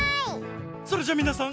それじゃみなさん